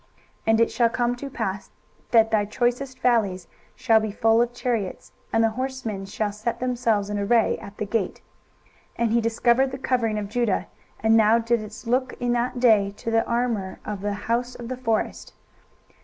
23:022:007 And it shall come to pass, that thy choicest valleys shall be full of chariots, and the horsemen shall set themselves in array at the gate. 23:022:008 And he discovered the covering of Judah, and thou didst look in that day to the armour of the house of the forest.